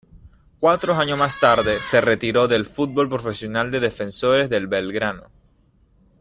Cuatro años más tarde se retiró del fútbol profesional en Defensores de Belgrano.